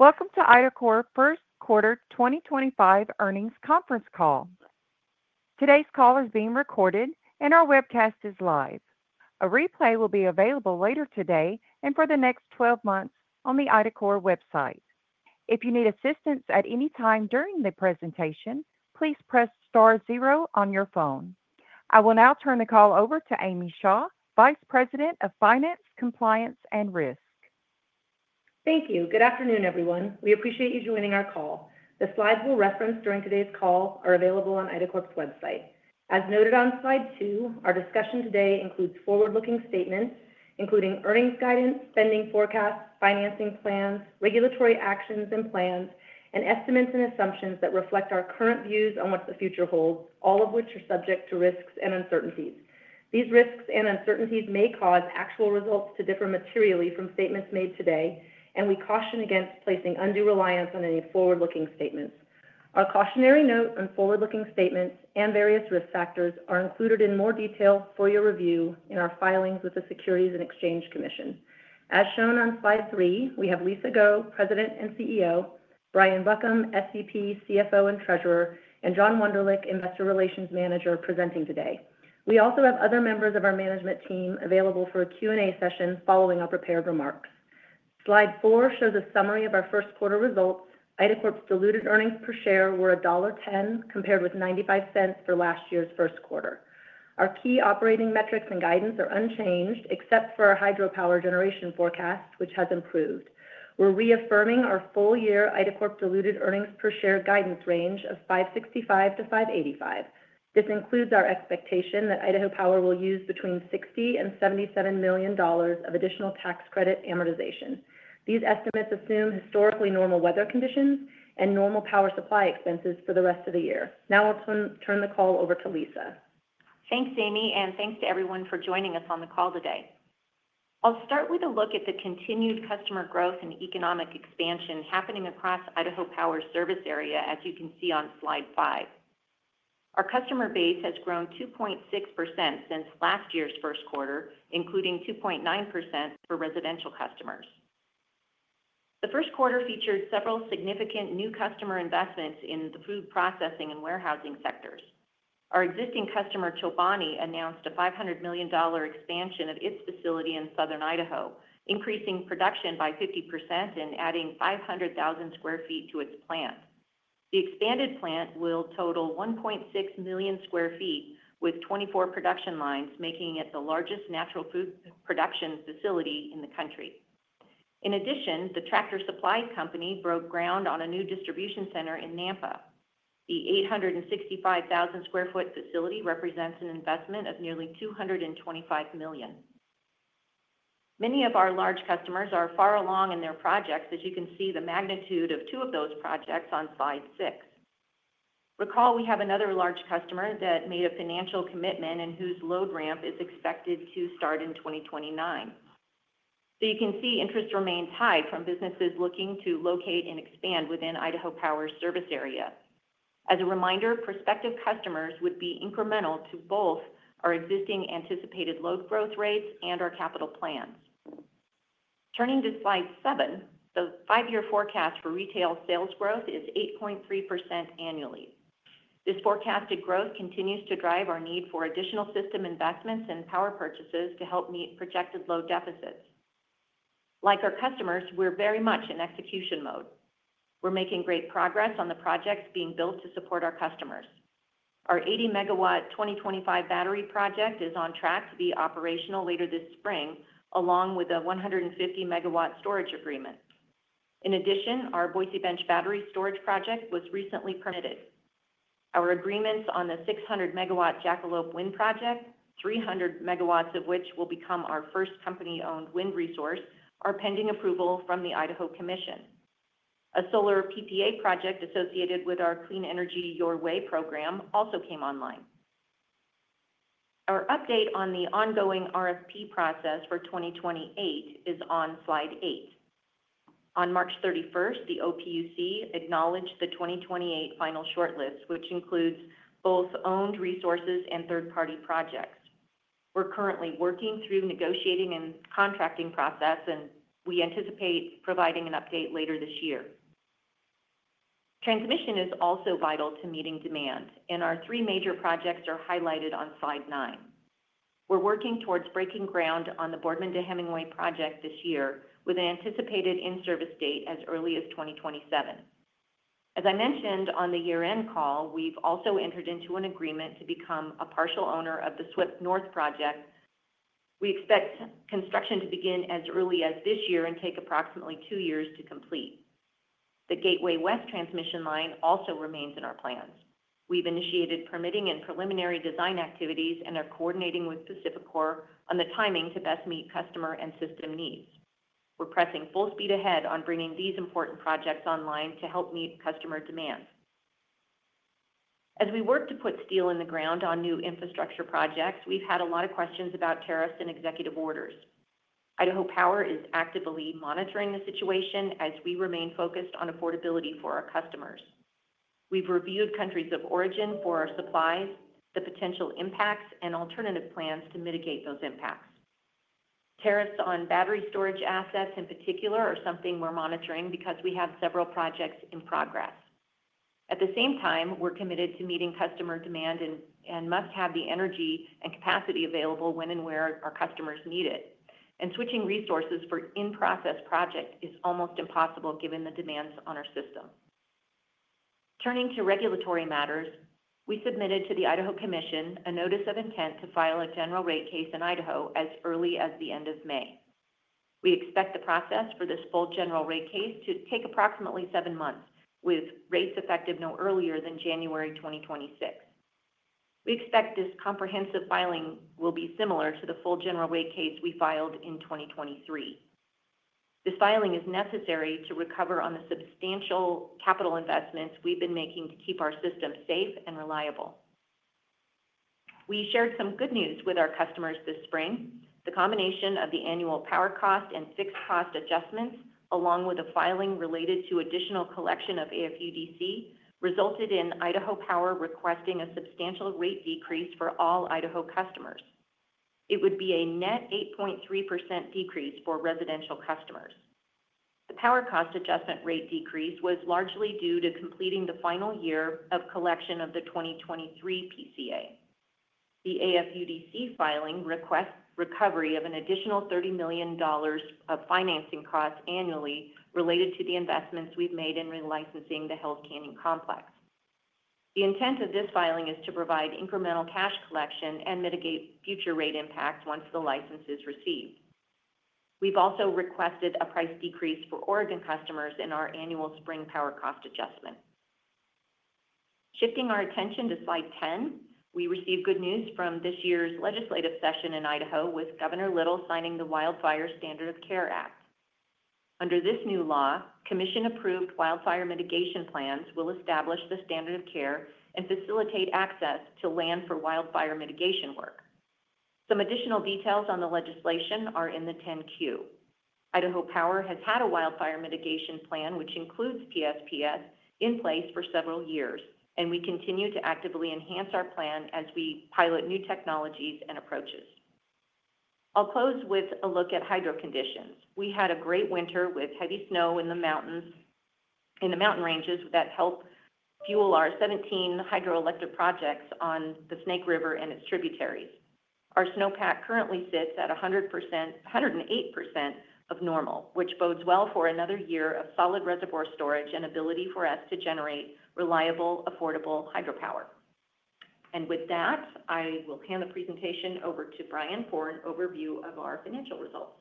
Welcome to IDACORP First Quarter 2025 earnings conference call. Today's call is being recorded, and our webcast is live. A replay will be available later today and for the next 12 months on the IDACORP website. If you need assistance at any time during the presentation, please press star zero on your phone. I will now turn the call over to Amy Shaw, Vice President of Finance, Compliance, and Risk. Thank you. Good afternoon, everyone. We appreciate you joining our call. The slides we'll reference during today's call are available on IDACORP's website. As noted on slide two, our discussion today includes forward-looking statements, including earnings guidance, spending forecasts, financing plans, regulatory actions and plans, and estimates and assumptions that reflect our current views on what the future holds, all of which are subject to risks and uncertainties. These risks and uncertainties may cause actual results to differ materially from statements made today, and we caution against placing undue reliance on any forward-looking statements. Our cautionary note on forward-looking statements and various risk factors are included in more detail for your review in our filings with the Securities and Exchange Commission. As shown on slide three, we have Lisa Grow, President and CEO; Brian Buckham, Senior EVP, CFO and Treasurer; and John Wonderlich, Investor Relations Manager, presenting today. We also have other members of our management team available for a Q&A session following our prepared remarks. Slide four shows a summary of our first quarter results. IDACORP's diluted earnings per share were $1.10 compared with $0.95 for last year's first quarter. Our key operating metrics and guidance are unchanged except for our hydropower generation forecast, which has improved. We're reaffirming our full-year IDACORP diluted earnings per share guidance range of $5.65–$5.85. This includes our expectation that Idaho Power will use between $60 million and $77 million of additional tax credit amortization. These estimates assume historically normal weather conditions and normal power supply expenses for the rest of the year. Now I'll turn the call over to Lisa. Thanks, Amy, and thanks to everyone for joining us on the call today. I'll start with a look at the continued customer growth and economic expansion happening across Idaho Power's service area, as you can see on slide five. Our customer base has grown 2.6% since last year's first quarter, including 2.9% for residential customers. The first quarter featured several significant new customer investments in the food processing and warehousing sectors. Our existing customer, Chobani, announced a $500 million expansion of its facility in southern Idaho, increasing production by 50% and adding 500,000 sq ft to its plant. The expanded plant will total 1.6 million sq ft, with 24 production lines making it the largest natural food production facility in the country. In addition, the Tractor Supply Company broke ground on a new distribution center in Nampa. The 865,000 sq ft facility represents an investment of nearly $225 million. Many of our large customers are far along in their projects, as you can see the magnitude of two of those projects on slide six. Recall we have another large customer that made a financial commitment and whose load ramp is expected to start in 2029. You can see interest remains high from businesses looking to locate and expand within Idaho Power's service area. As a reminder, prospective customers would be incremental to both our existing anticipated load growth rates and our capital plans. Turning to slide seven, the five-year forecast for retail sales growth is 8.3% annually. This forecasted growth continues to drive our need for additional system investments and power purchases to help meet projected load deficits. Like our customers, we're very much in execution mode. We're making great progress on the projects being built to support our customers. Our 80-megawatt 2025 battery project is on track to be operational later this spring, along with a 150-megawatt storage agreement. In addition, our Boise Bench Battery Storage Project was recently permitted. Our agreements on the 600-megawatt Jackalope wind project, 300 megawatts of which will become our first company-owned wind resource, are pending approval from the Idaho Commission. A solar PPA project associated with our Clean Energy Your Way program also came online. Our update on the ongoing RFP process for 2028 is on slide eight. On March 31, the OPUC acknowledged the 2028 final shortlist, which includes both owned resources and third-party projects. We're currently working through the negotiating and contracting process, and we anticipate providing an update later this year. Transmission is also vital to meeting demand, and our three major projects are highlighted on slide nine. We're working towards breaking ground on the Boardman to Hemingway project this year, with an anticipated in-service date as early as 2027. As I mentioned on the year-end call, we've also entered into an agreement to become a partial owner of the SWIP North project. We expect construction to begin as early as this year and take approximately two years to complete. The Gateway West transmission line also remains in our plans. We've initiated permitting and preliminary design activities and are coordinating with PacifiCorp on the timing to best meet customer and system needs. We're pressing full speed ahead on bringing these important projects online to help meet customer demand. As we work to put steel in the ground on new infrastructure projects, we've had a lot of questions about tariffs and executive orders. Idaho Power is actively monitoring the situation as we remain focused on affordability for our customers. We've reviewed countries of origin for our supplies, the potential impacts, and alternative plans to mitigate those impacts. Tariffs on battery storage assets, in particular, are something we're monitoring because we have several projects in progress. At the same time, we're committed to meeting customer demand and must have the energy and capacity available when and where our customers need it. Switching resources for in-process projects is almost impossible given the demands on our system. Turning to regulatory matters, we submitted to the Idaho Commission a notice of intent to file a general rate case in Idaho as early as the end of May. We expect the process for this full general rate case to take approximately seven months, with rates effective no earlier than January 2026. We expect this comprehensive filing will be similar to the full general rate case we filed in 2023. This filing is necessary to recover on the substantial capital investments we've been making to keep our system safe and reliable. We shared some good news with our customers this spring. The combination of the annual power cost and fixed cost adjustments, along with a filing related to additional collection of AFUDC, resulted in Idaho Power requesting a substantial rate decrease for all Idaho customers. It would be a net 8.3% decrease for residential customers. The power cost adjustment rate decrease was largely due to completing the final year of collection of the 2023 PCA. The AFUDC filing requests recovery of an additional $30 million of financing costs annually related to the investments we've made in relicensing the Hells Canyon Complex. The intent of this filing is to provide incremental cash collection and mitigate future rate impacts once the license is received. We've also requested a price decrease for Oregon customers in our annual spring power cost adjustment. Shifting our attention to slide ten, we received good news from this year's legislative session in Idaho, with Governor Little signing the Wildfire Standard of Care Act. Under this new law, Commission-approved wildfire mitigation plans will establish the standard of care and facilitate access to land for wildfire mitigation work. Some additional details on the legislation are in the 10-Q. Idaho Power has had a wildfire mitigation plan, which includes PSPS, in place for several years, and we continue to actively enhance our plan as we pilot new technologies and approaches. I'll close with a look at hydro conditions. We had a great winter with heavy snow in the mountain ranges that helped fuel our 17 hydroelectric projects on the Snake River and its tributaries. Our snowpack currently sits at 100%, 108% of normal, which bodes well for another year of solid reservoir storage and ability for us to generate reliable, affordable hydropower. With that, I will hand the presentation over to Brian for an overview of our financial results.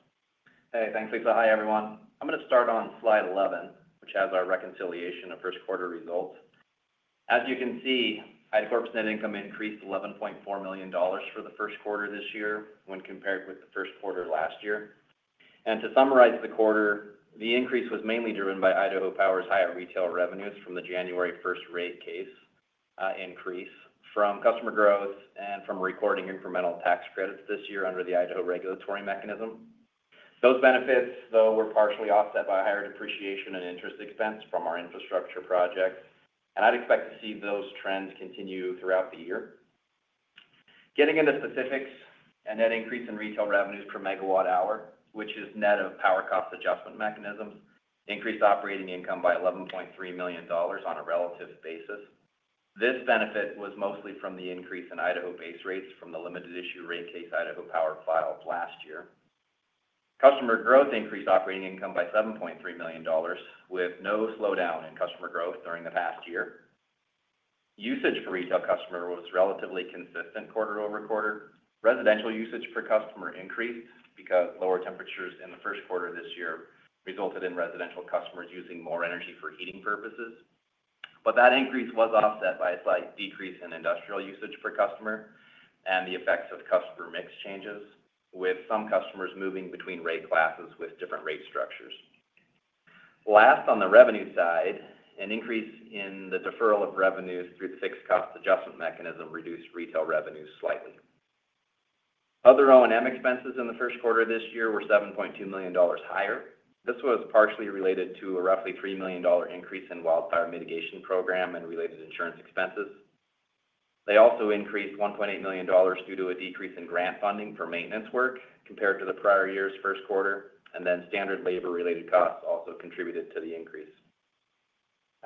Hey, thanks, Lisa. Hi, everyone. I'm going to start on slide 11, which has our reconciliation of first quarter results. As you can see, IDACORP's net income increased $11.4 million for the first quarter this year when compared with the first quarter last year. To summarize the quarter, the increase was mainly driven by Idaho Power's higher retail revenues from the January 1 rate case increase, from customer growth, and from recording incremental tax credits this year under the Idaho regulatory mechanism. Those benefits, though, were partially offset by higher depreciation and interest expense from our infrastructure projects. I'd expect to see those trends continue throughout the year. Getting into specifics, a net increase in retail revenues per megawatt hour, which is net of power cost adjustment mechanisms, increased operating income by $11.3 million on a relative basis. This benefit was mostly from the increase in Idaho base rates from the limited issue rate case Idaho Power filed last year. Customer growth increased operating income by $7.3 million, with no slowdown in customer growth during the past year. Usage for retail customer was relatively consistent quarter over quarter. Residential usage per customer increased because lower temperatures in the first quarter this year resulted in residential customers using more energy for heating purposes. That increase was offset by a slight decrease in industrial usage per customer and the effects of customer mix changes, with some customers moving between rate classes with different rate structures. Last, on the revenue side, an increase in the deferral of revenues through the fixed cost adjustment mechanism reduced retail revenues slightly. Other O&M expenses in the first quarter of this year were $7.2 million higher. This was partially related to a roughly $3 million increase in wildfire mitigation program and related insurance expenses. They also increased $1.8 million due to a decrease in grant funding for maintenance work compared to the prior year's first quarter, and standard labor-related costs also contributed to the increase.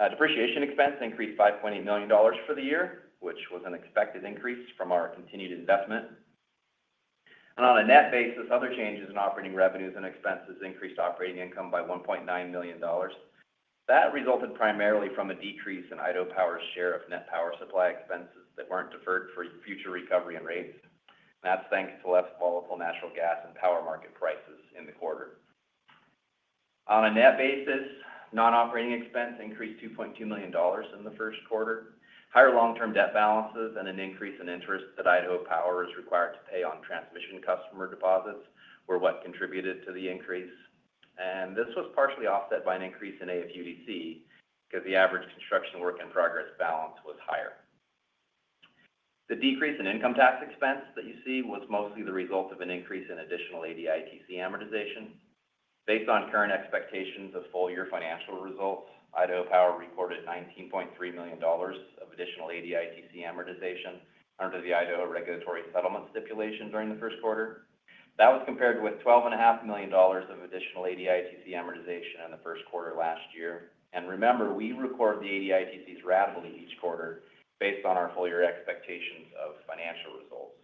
Depreciation expense increased $5.8 million for the year, which was an expected increase from our continued investment. On a net basis, other changes in operating revenues and expenses increased operating income by $1.9 million. That resulted primarily from a decrease in Idaho Power's share of net power supply expenses that were not deferred for future recovery in rates. That is thanks to less volatile natural gas and power market prices in the quarter. On a net basis, non-operating expense increased $2.2 million in the first quarter. Higher long-term debt balances and an increase in interest that Idaho Power is required to pay on transmission customer deposits were what contributed to the increase. This was partially offset by an increase in AFUDC because the average construction work in progress balance was higher. The decrease in income tax expense that you see was mostly the result of an increase in additional ADITC amortization. Based on current expectations of full year financial results, Idaho Power reported $19.3 million of additional ADITC amortization under the Idaho regulatory settlement stipulation during the first quarter. That was compared with $12.5 million of additional ADITC amortization in the first quarter last year. Remember, we record the ADITCs rationally each quarter based on our full year expectations of financial results.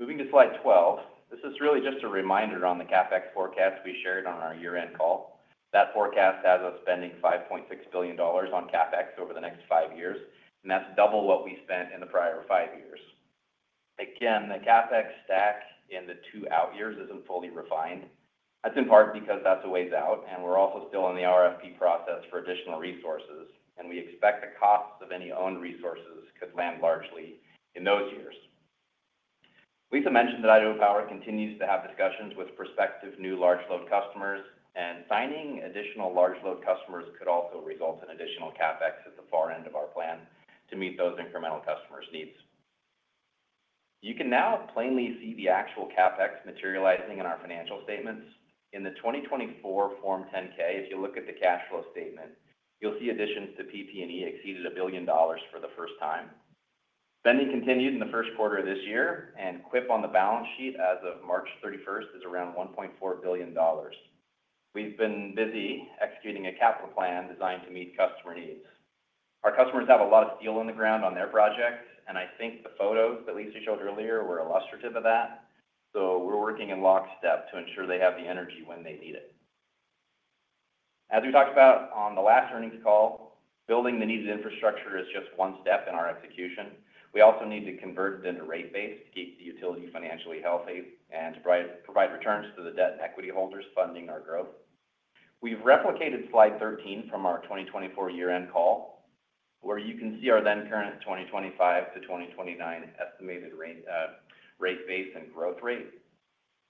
Moving to slide 12, this is really just a reminder on the CapEx forecast we shared on our year-end call. That forecast has us spending $5.6 billion on CapEx over the next five years, and that's double what we spent in the prior five years. Again, the CapEx stack in the two out years isn't fully refined. That's in part because that's a ways out, and we're also still in the RFP process for additional resources, and we expect the costs of any owned resources could land largely in those years. Lisa mentioned that Idaho Power continues to have discussions with prospective new large load customers, and signing additional large load customers could also result in additional CapEx at the far end of our plan to meet those incremental customers' needs. You can now plainly see the actual CapEx materializing in our financial statements. In the 2024 Form 10-K, if you look at the cash flow statement, you'll see additions to PP&E exceeded $1 billion for the first time. Spending continued in the first quarter of this year, and CWIP on the balance sheet as of March 31 is around $1.4 billion. We've been busy executing a capital plan designed to meet customer needs. Our customers have a lot of steel in the ground on their projects, and I think the photos that Lisa showed earlier were illustrative of that. We are working in lockstep to ensure they have the energy when they need it. As we talked about on the last earnings call, building the needed infrastructure is just one step in our execution. We also need to convert it into rate base to keep the utility financially healthy and to provide returns to the debt and equity holders funding our growth. We've replicated slide 13 from our 2024 year-end call, where you can see our then current 2025–2029 estimated rate base and growth rate.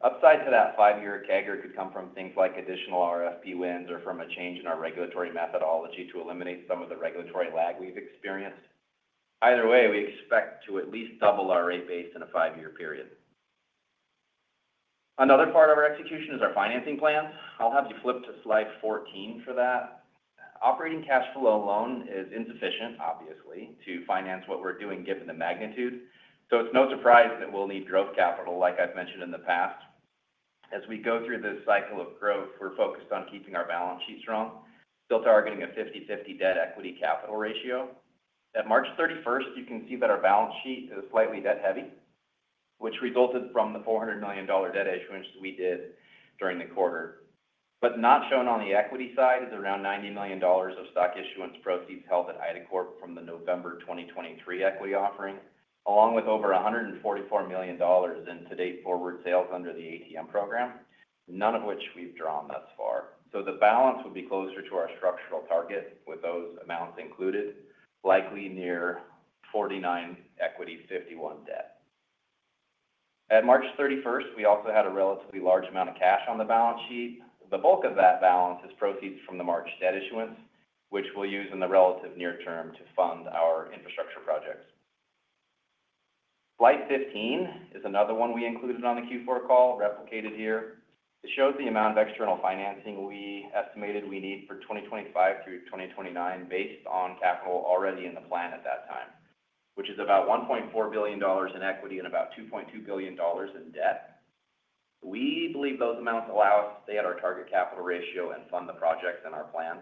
Upside to that five-year CAGR could come from things like additional RFP wins or from a change in our regulatory methodology to eliminate some of the regulatory lag we've experienced. Either way, we expect to at least double our rate base in a five-year period. Another part of our execution is our financing plans. I'll have you flip to slide 14 for that. Operating cash flow alone is insufficient, obviously, to finance what we're doing given the magnitude. It is no surprise that we'll need growth capital, like I've mentioned in the past. As we go through this cycle of growth, we're focused on keeping our balance sheet strong, still targeting a 50/50 debt-equity capital ratio. At March 31, you can see that our balance sheet is slightly debt-heavy, which resulted from the $400 million debt issuance we did during the quarter. Not shown on the equity side is around $90 million of stock issuance proceeds held at IDACORP from the November 2023 equity offering, along with over $144 million in to-date forward sales under the ATM program, none of which we've drawn thus far. The balance would be closer to our structural target with those amounts included, likely near 49% equity, 51% debt. At March 31, we also had a relatively large amount of cash on the balance sheet. The bulk of that balance is proceeds from the March debt issuance, which we'll use in the relative near term to fund our infrastructure projects. Slide 15 is another one we included on the Q4 call, replicated here. It shows the amount of external financing we estimated we need for 2025 through 2029 based on capital already in the plan at that time, which is about $1.4 billion in equity and about $2.2 billion in debt. We believe those amounts allow us to stay at our target capital ratio and fund the projects in our plan.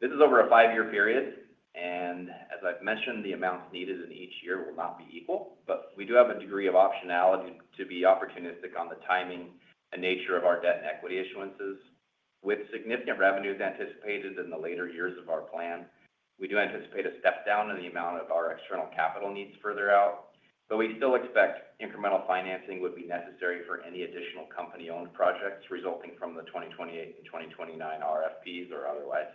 This is over a five-year period, and as I've mentioned, the amounts needed in each year will not be equal, but we do have a degree of optionality to be opportunistic on the timing and nature of our debt and equity issuances. With significant revenues anticipated in the later years of our plan, we do anticipate a step down in the amount of our external capital needs further out, but we still expect incremental financing would be necessary for any additional company-owned projects resulting from the 2028 and 2029 RFPs or otherwise.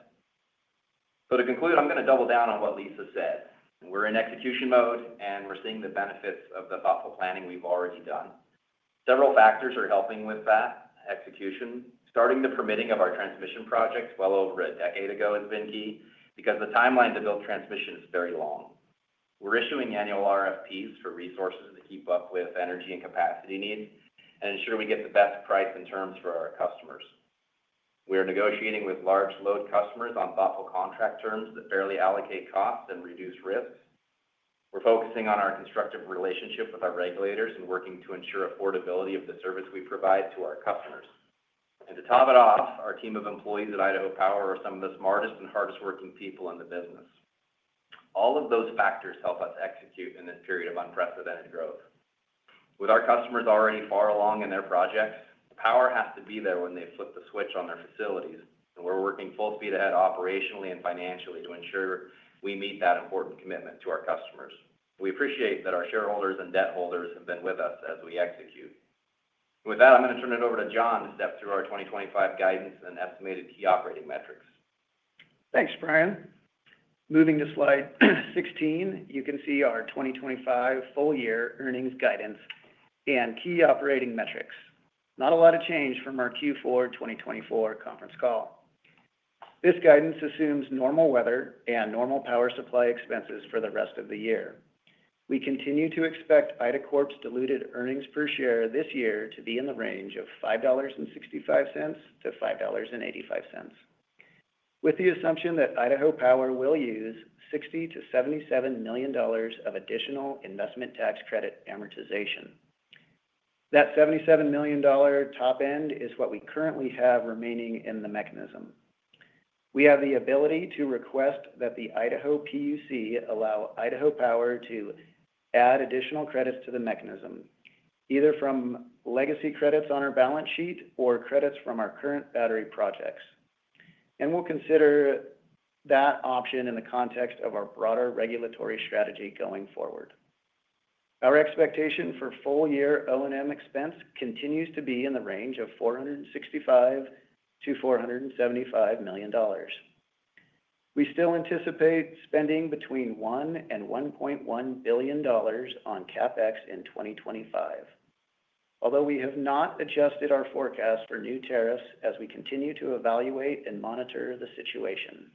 To conclude, I'm going to double down on what Lisa said. We're in execution mode, and we're seeing the benefits of the thoughtful planning we've already done. Several factors are helping with that execution. Starting the permitting of our transmission projects well over a decade ago has been key because the timeline to build transmission is very long. We're issuing annual RFPs for resources to keep up with energy and capacity needs and ensure we get the best price and terms for our customers. We are negotiating with large load customers on thoughtful contract terms that fairly allocate costs and reduce risks. We're focusing on our constructive relationship with our regulators and working to ensure affordability of the service we provide to our customers. To top it off, our team of employees at Idaho Power are some of the smartest and hardest working people in the business. All of those factors help us execute in this period of unprecedented growth. With our customers already far along in their projects, power has to be there when they flip the switch on their facilities, and we're working full speed ahead operationally and financially to ensure we meet that important commitment to our customers. We appreciate that our shareholders and debt holders have been with us as we execute. With that, I'm going to turn it over to John to step through our 2025 guidance and estimated key operating metrics. Thanks, Brian. Moving to slide 16, you can see our 2025 full year earnings guidance and key operating metrics. Not a lot of change from our Q4 2024 conference call. This guidance assumes normal weather and normal power supply expenses for the rest of the year. We continue to expect IDACORP's diluted earnings per share this year to be in the range of $5.65–$5.85, with the assumption that Idaho Power will use $60–$77 million of additional investment tax credit amortization. That $77 million top end is what we currently have remaining in the mechanism. We have the ability to request that the Idaho PUC allow Idaho Power to add additional credits to the mechanism, either from legacy credits on our balance sheet or credits from our current battery projects. We will consider that option in the context of our broader regulatory strategy going forward. Our expectation for full year O&M expense continues to be in the range of $465–$475 million. We still anticipate spending between $1 billion and $1.1 billion on CapEx in 2025, although we have not adjusted our forecast for new tariffs as we continue to evaluate and monitor the situation.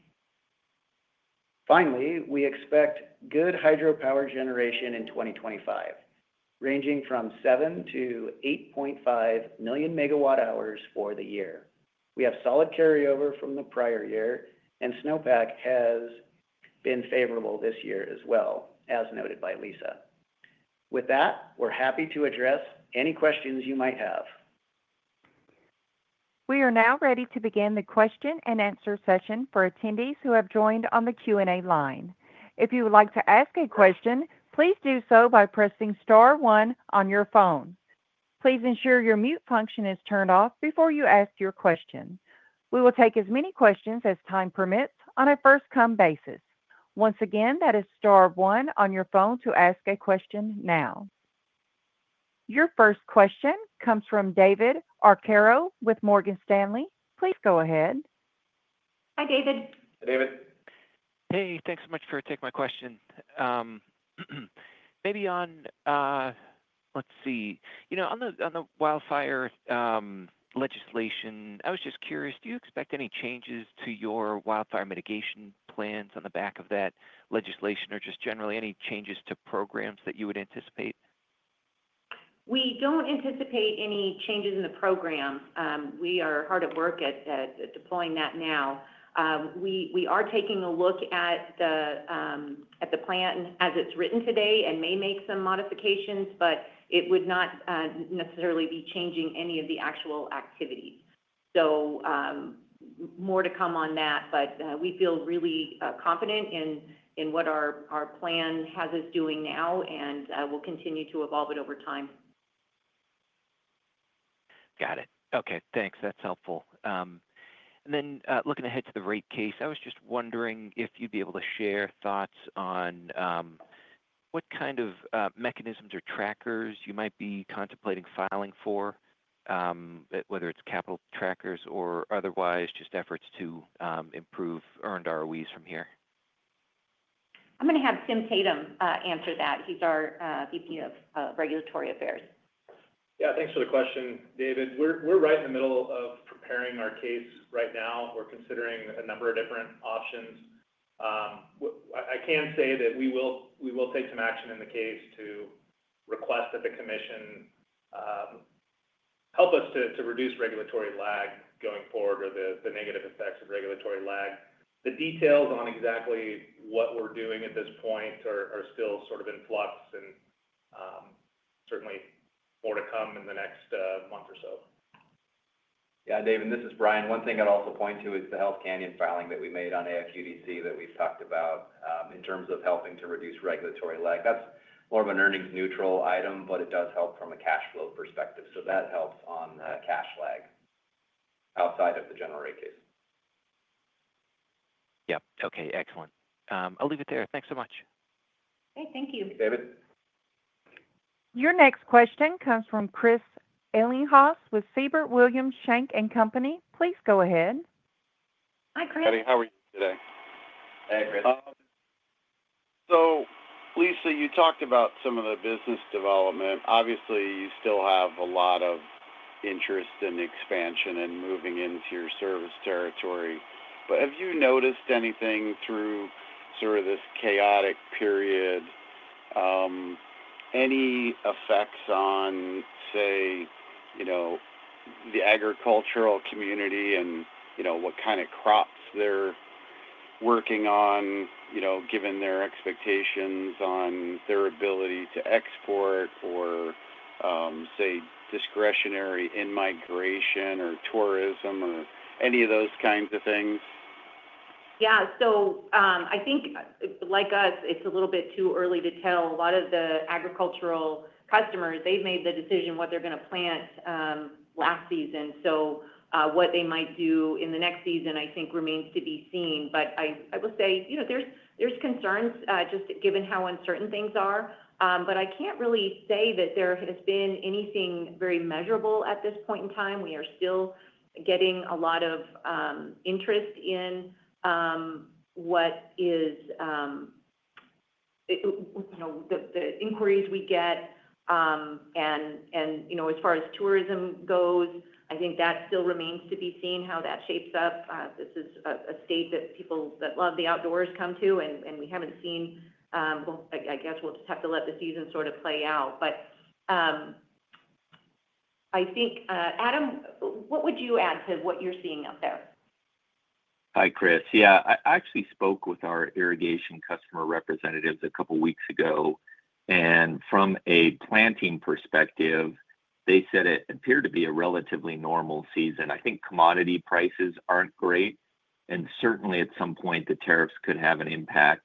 Finally, we expect good hydropower generation in 2025, ranging from 7–8.5 million megawatt hours for the year. We have solid carryover from the prior year, and snowpack has been favorable this year as well, as noted by Lisa. With that, we're happy to address any questions you might have. We are now ready to begin the question and answer session for attendees who have joined on the Q&A line. If you would like to ask a question, please do so by pressing star one on your phone. Please ensure your mute function is turned off before you ask your question. We will take as many questions as time permits on a first-come basis. Once again, that is star one on your phone to ask a question now. Your first question comes from David Arcaro with Morgan Stanley. Please go ahead. Hi, David. Hey, David. Hey, thanks so much for taking my question. Maybe on, let's see, you know, on the wildfire legislation, I was just curious, do you expect any changes to your wildfire mitigation plans on the back of that legislation or just generally any changes to programs that you would anticipate? We don't anticipate any changes in the program. We are hard at work at deploying that now. We are taking a look at the plan as it's written today and may make some modifications, but it would not necessarily be changing any of the actual activities. More to come on that, but we feel really confident in what our plan has us doing now, and we'll continue to evolve it over time. Got it. Okay. Thanks. That's helpful. Looking ahead to the rate case, I was just wondering if you'd be able to share thoughts on what kind of mechanisms or trackers you might be contemplating filing for, whether it's capital trackers or otherwise, just efforts to improve earned ROEs from here. I'm going to have Tim Tatum answer that. He's our VP of Regulatory Affairs. Yeah, thanks for the question, David. We're right in the middle of preparing our case right now. We're considering a number of different options. I can say that we will take some action in the case to request that the Commission help us to reduce regulatory lag going forward or the negative effects of regulatory lag. The details on exactly what we're doing at this point are still sort of in flux and certainly more to come in the next month or so. Yeah, David, and this is Brian. One thing I'd also point to is the Hells Canyon filing that we made on AFUDC that we've talked about in terms of helping to reduce regulatory lag. That's more of an earnings-neutral item, but it does help from a cash flow perspective. That helps on cash lag outside of the general rate case. Yep. Okay. Excellent. I'll leave it there. Thanks so much. Okay. Thank you. David. Your next question comes from Chris Ellinghaus with Siebert Williams Shank & Co. Please go ahead. Hi, Chris. How are you today? Hey, Chris. Lisa, you talked about some of the business development. Obviously, you still have a lot of interest in expansion and moving into your service territory. Have you noticed anything through sort of this chaotic period, any effects on, say, the agricultural community and what kind of crops they're working on, given their expectations on their ability to export or, say, discretionary in-migration or tourism or any of those kinds of things? Yeah. I think, like us, it's a little bit too early to tell. A lot of the agricultural customers, they've made the decision what they're going to plant last season. What they might do in the next season, I think, remains to be seen. I will say there's concerns just given how uncertain things are. I can't really say that there has been anything very measurable at this point in time. We are still getting a lot of interest in what is the inquiries we get. As far as tourism goes, I think that still remains to be seen how that shapes up. This is a state that people that love the outdoors come to, and we haven't seen— I guess we'll just have to let the season sort of play out. I think, Brian, what would you add to what you're seeing out there? Hi, Chris. Yeah. I actually spoke with our irrigation customer representatives a couple of weeks ago. From a planting perspective, they said it appeared to be a relatively normal season. I think commodity prices are not great. Certainly, at some point, the tariffs could have an impact.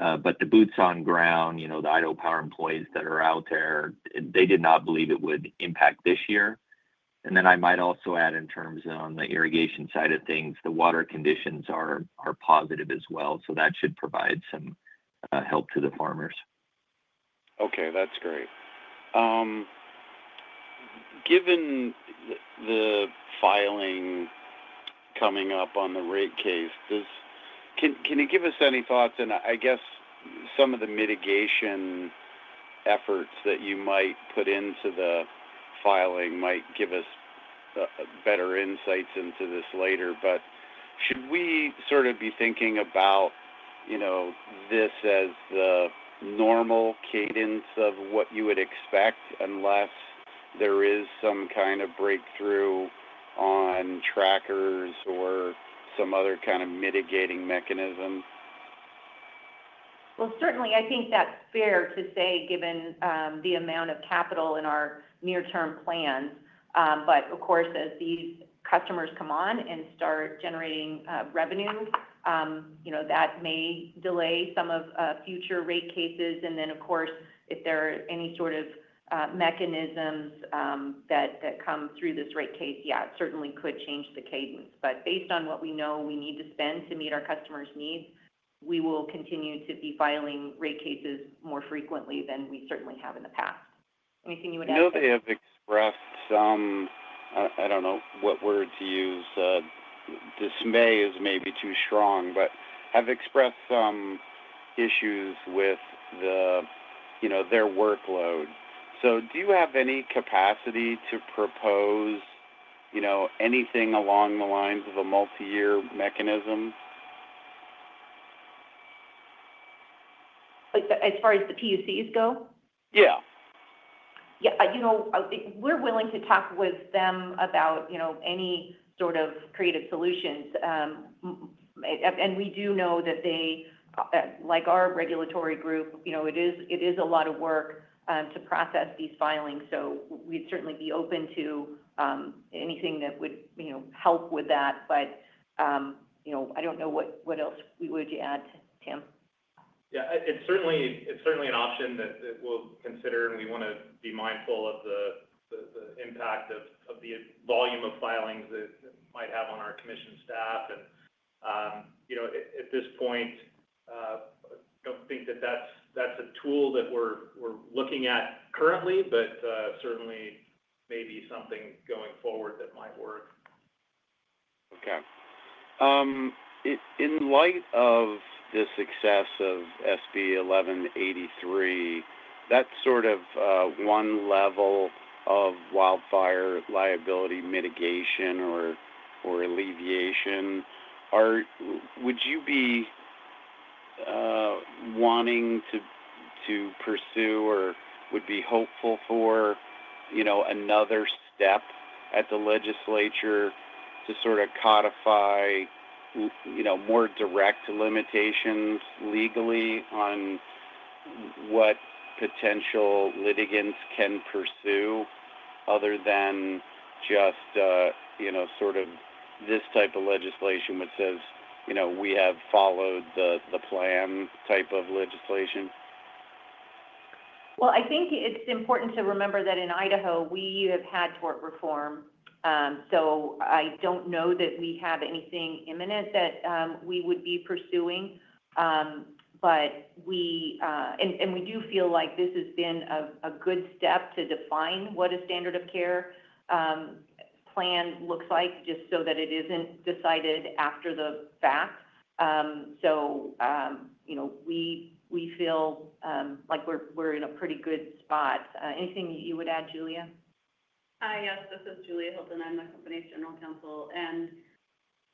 The boots on ground, the Idaho Power employees that are out there, did not believe it would impact this year. I might also add in terms of on the irrigation side of things, the water conditions are positive as well. That should provide some help to the farmers. Okay. That's great. Given the filing coming up on the rate case, can you give us any thoughts? I guess some of the mitigation efforts that you might put into the filing might give us better insights into this later. Should we sort of be thinking about this as the normal cadence of what you would expect unless there is some kind of breakthrough on trackers or some other kind of mitigating mechanism? I think that's fair to say given the amount of capital in our near-term plans. Of course, as these customers come on and start generating revenue, that may delay some of future rate cases. If there are any sort of mechanisms that come through this rate case, it certainly could change the cadence. Based on what we know we need to spend to meet our customers' needs, we will continue to be filing rate cases more frequently than we certainly have in the past. Anything you would add? I know they have expressed some—I don't know what word to use. Dismay is maybe too strong, but have expressed some issues with their workload. Do you have any capacity to propose anything along the lines of a multi-year mechanism? As far as the PUCs go? Yeah. Yeah. We're willing to talk with them about any sort of creative solutions. We do know that, like our regulatory group, it is a lot of work to process these filings. We'd certainly be open to anything that would help with that. I don't know what else we would add, Tim. Yeah. It's certainly an option that we'll consider. We want to be mindful of the impact of the volume of filings that might have on our commission staff. At this point, I don't think that that's a tool that we're looking at currently, but certainly maybe something going forward that might work. Okay. In light of the success of SB 1183, that's sort of one level of wildfire liability mitigation or alleviation. Would you be wanting to pursue or would be hopeful for another step at the legislature to sort of codify more direct limitations legally on what potential litigants can pursue other than just sort of this type of legislation which says, "We have followed the plan" type of legislation? I think it's important to remember that in Idaho, we have had tort reform. I don't know that we have anything imminent that we would be pursuing. We do feel like this has been a good step to define what a standard of care plan looks like just so that it isn't decided after the fact. We feel like we're in a pretty good spot. Anything you would add, Julia? Hi, yes. This is Julia Hilton. I'm the company's General Counsel.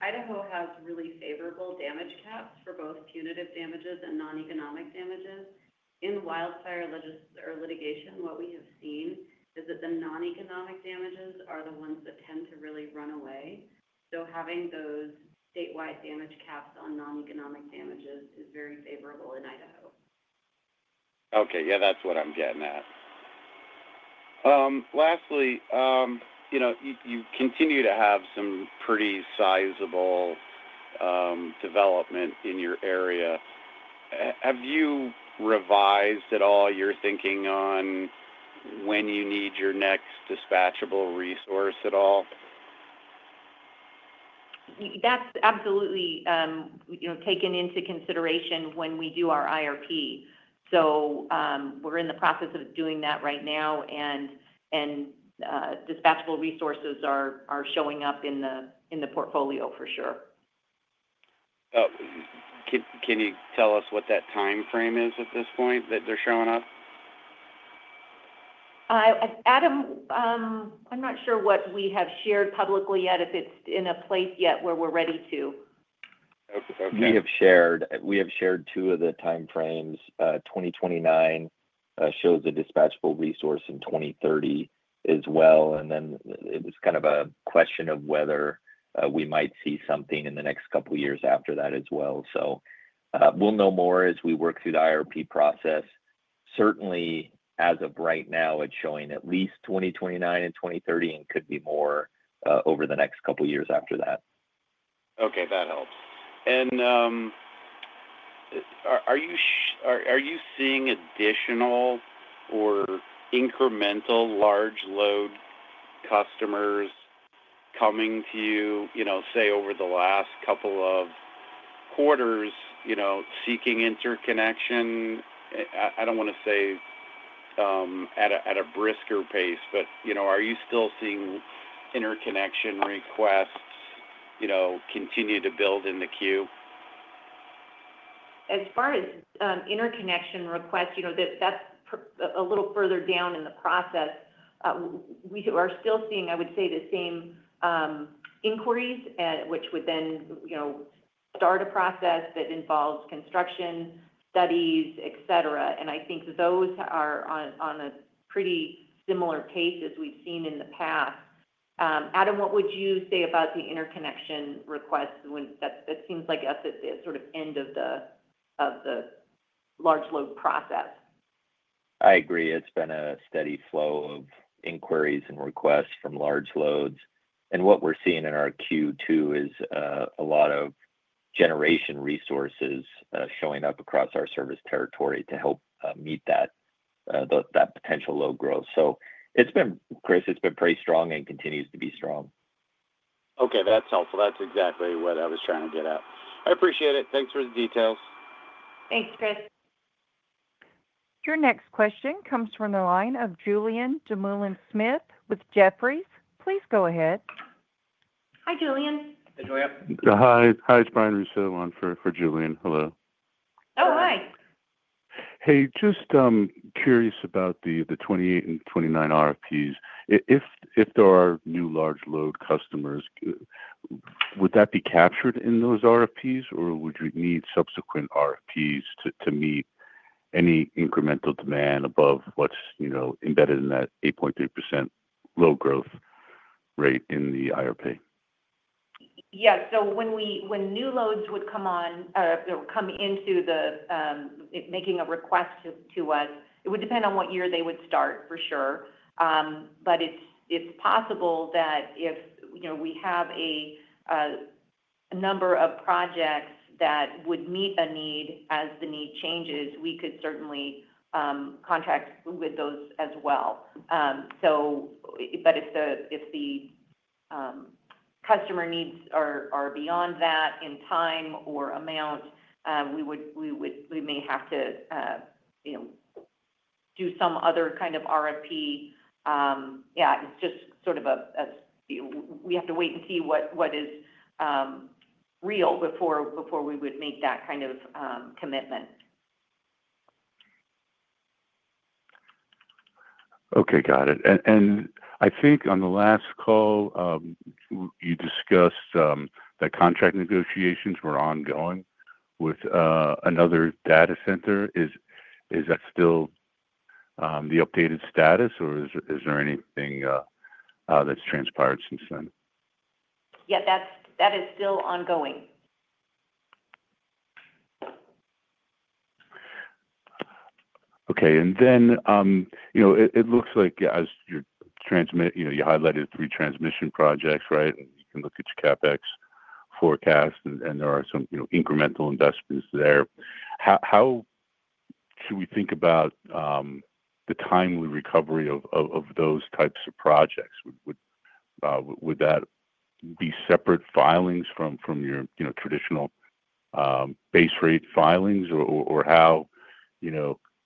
Idaho has really favorable damage caps for both punitive damages and non-economic damages. In wildfire litigation, what we have seen is that the non-economic damages are the ones that tend to really run away. Having those statewide damage caps on non-economic damages is very favorable in Idaho. Okay. Yeah, that's what I'm getting at. Lastly, you continue to have some pretty sizable development in your area. Have you revised at all your thinking on when you need your next dispatchable resource at all? That's absolutely taken into consideration when we do our IRP. We are in the process of doing that right now. Dispatchable resources are showing up in the portfolio for sure. Can you tell us what that timeframe is at this point that they're showing up? Adam, I'm not sure what we have shared publicly yet if it's in a place yet where we're ready to. Okay. We have shared two of the timeframes. 2029 shows a dispatchable resource in 2030 as well. It was kind of a question of whether we might see something in the next couple of years after that as well. We will know more as we work through the IRP process. Certainly, as of right now, it is showing at least 2029 and 2030 and could be more over the next couple of years after that. Okay. That helps. Are you seeing additional or incremental large load customers coming to you, say, over the last couple of quarters seeking interconnection? I do not want to say at a brisker pace, but are you still seeing interconnection requests continue to build in the queue? As far as interconnection requests, that's a little further down in the process. We are still seeing, I would say, the same inquiries, which would then start a process that involves construction studies, etc. I think those are on a pretty similar pace as we've seen in the past. Adam, what would you say about the interconnection requests? That seems like that's at the sort of end of the large load process. I agree. It's been a steady flow of inquiries and requests from large loads. What we're seeing in our queue too is a lot of generation resources showing up across our service territory to help meet that potential load growth. Chris, it's been pretty strong and continues to be strong. Okay. That's helpful. That's exactly what I was trying to get at. I appreciate it. Thanks for the details. Thanks, Chris. Your next question comes from the line of Julien Dumoulin-Smith with Jefferies. Please go ahead. Hi, Julianne. Hi, Julia. Hi. Hi, it's Brian Russo for Julian. Hello. Oh, hi. Hey, just curious about the 2028 and 2029 RFPs. If there are new large load customers, would that be captured in those RFPs, or would you need subsequent RFPs to meet any incremental demand above what's embedded in that 8.3% load growth rate in the IRP? Yes. When new loads would come on or come into making a request to us, it would depend on what year they would start for sure. It is possible that if we have a number of projects that would meet a need as the need changes, we could certainly contract with those as well. If the customer needs are beyond that in time or amount, we may have to do some other kind of RFP. Yeah. We have to wait and see what is real before we would make that kind of commitment. Okay. Got it. I think on the last call, you discussed that contract negotiations were ongoing with another data center. Is that still the updated status, or is there anything that's transpired since then? Yeah. That is still ongoing. Okay. It looks like, as you highlighted, three transmission projects, right, you can look at your CapEx forecast, and there are some incremental investments there. How should we think about the timely recovery of those types of projects? Would that be separate filings from your traditional base rate filings, or how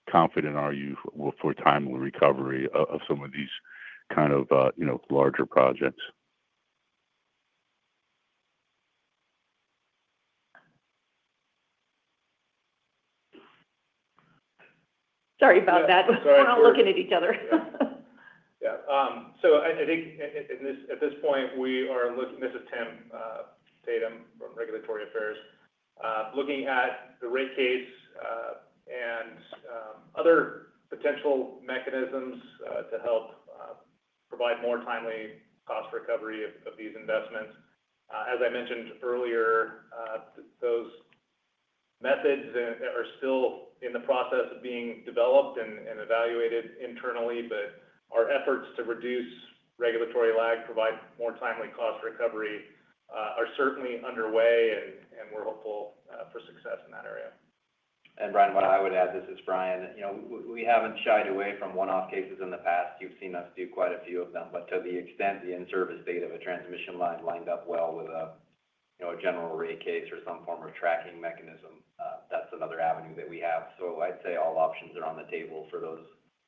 confident are you for timely recovery of some of these kind of larger projects? Sorry about that. We're not looking at each other. Yeah. I think at this point, we are looking—this is Tim Tatum from regulatory affairs—looking at the rate case and other potential mechanisms to help provide more timely cost recovery of these investments. As I mentioned earlier, those methods are still in the process of being developed and evaluated internally. Our efforts to reduce regulatory lag, provide more timely cost recovery, are certainly underway, and we're hopeful for success in that area. Brian, what I would add—this is Brian—we have not shied away from one-off cases in the past. You have seen us do quite a few of them. To the extent the in-service date of a transmission line lined up well with a general rate case or some form of tracking mechanism, that is another avenue that we have. I would say all options are on the table for those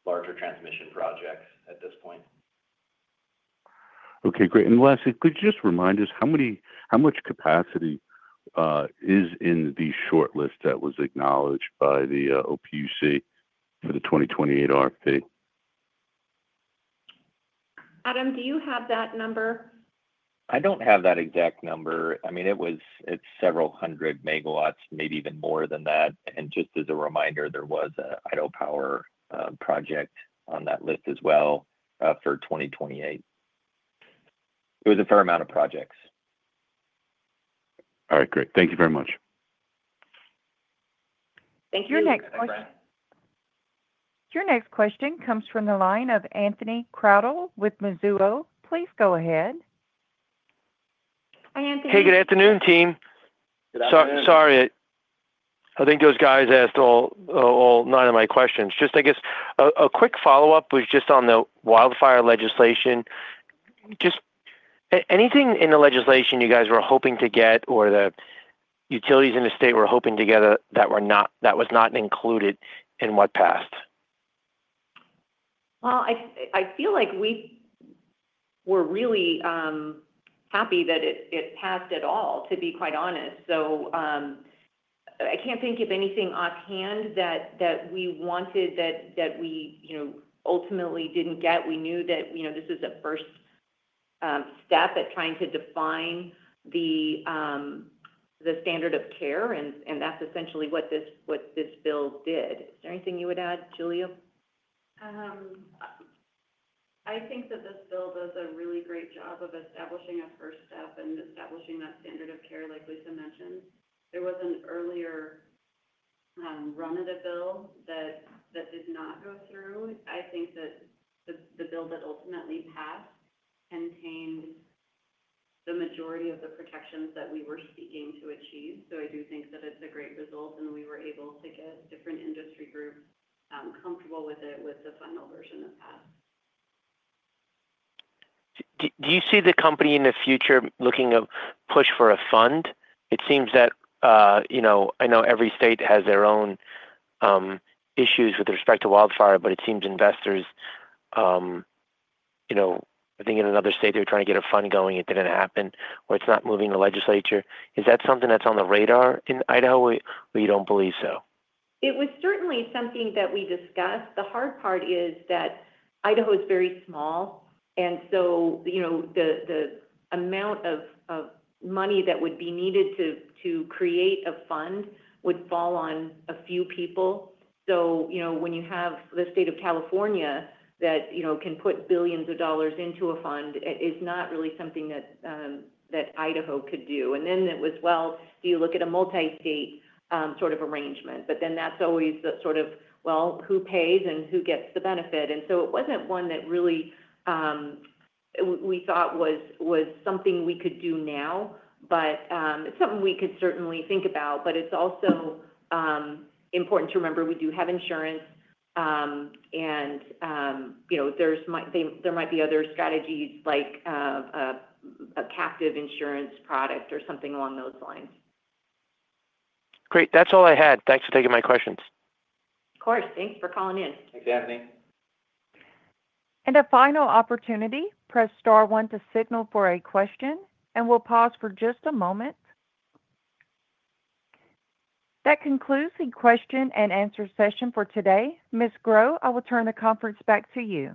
larger transmission projects at this point. Okay. Great. Lastly, could you just remind us how much capacity is in the shortlist that was acknowledged by the OPUC for the 2028 RFP? Adam, do you have that number? I don't have that exact number. I mean, it was several hundred megawatts, maybe even more than that. Just as a reminder, there was an Idaho Power project on that list as well for 2028. It was a fair amount of projects. All right. Great. Thank you very much. Thank you very much, Brian. Your next question comes from the line of Anthony Crowdell with Mizuho. Please go ahead. Hi, Anthony. Hey, good afternoon, team. Good afternoon. Sorry. I think those guys asked all nine of my questions. Just, I guess, a quick follow-up was just on the wildfire legislation. Just anything in the legislation you guys were hoping to get or the utilities in the state were hoping to get that was not included in what passed? I feel like we were really happy that it passed at all, to be quite honest. I can't think of anything offhand that we wanted that we ultimately didn't get. We knew that this is a first step at trying to define the standard of care. That's essentially what this bill did. Is there anything you would add, Julia? I think that this bill does a really great job of establishing a first step and establishing that standard of care, like Lisa mentioned. There was an earlier run of the bill that did not go through. I think that the bill that ultimately passed contained the majority of the protections that we were seeking to achieve. I do think that it's a great result, and we were able to get different industry groups comfortable with it with the final version that passed. Do you see the company in the future looking to push for a fund? It seems that I know every state has their own issues with respect to wildfire, but it seems investors—I think in another state, they were trying to get a fund going. It did not happen, or it is not moving the legislature. Is that something that is on the radar in Idaho, or you do not believe so? It was certainly something that we discussed. The hard part is that Idaho is very small. The amount of money that would be needed to create a fund would fall on a few people. When you have the state of California that can put billions of dollars into a fund, it's not really something that Idaho could do. It was, "Do you look at a multi-state sort of arrangement?" That is always the sort of, "Who pays and who gets the benefit?" It was not one that really we thought was something we could do now, but it's something we could certainly think about. It is also important to remember we do have insurance, and there might be other strategies like a captive insurance product or something along those lines. Great. That's all I had. Thanks for taking my questions. Of course. Thanks for calling in. Thanks, Anthony. A final opportunity. Press star one to signal for a question, and we'll pause for just a moment. That concludes the question and answer session for today. Ms. Grow, I will turn the conference back to you.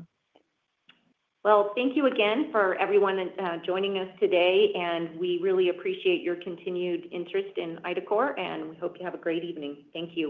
Thank you again for everyone joining us today. We really appreciate your continued interest in IDACORP, and we hope you have a great evening. Thank you.